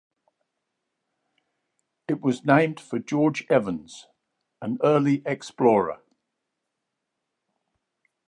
It was named for George Evans, an early explorer.